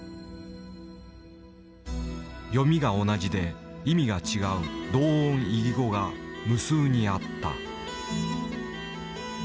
読みが同じで意味が違う同音異義語が無数にあった。